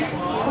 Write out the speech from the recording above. thế mẹ mà cho